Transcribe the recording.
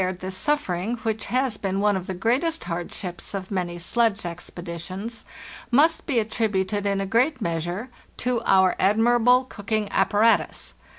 WE SAY GOOD BVE TO THE "FRAM" 151 this suffering, which has been one of the greatest hard ships of many sledge expeditions, must be attributed in a great measure to our admirable cooking apparatus.